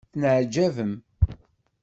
Tenεaǧabem.